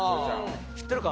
「知ってるか？